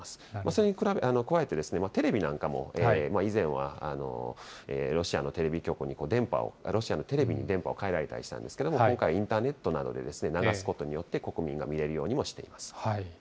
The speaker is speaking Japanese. それに加えて、テレビなんかも以前はロシアのテレビ局に、電波を、ロシアのテレビに電波を変えられたりしたんですけれども、今回、インターネットで流すことによって、国民が見れるようにもしています。